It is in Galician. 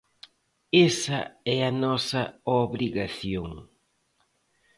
Esa é a nosa obrigación.